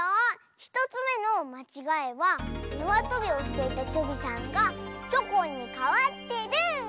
１つめのまちがいはなわとびをしていたチョビさんがチョコンにかわってる！